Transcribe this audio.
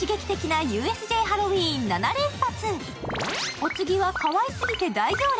お次は、かわいすぎて大行列。